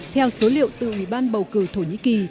theo số liệu từ ủy ban bầu cử thổ nhĩ kỳ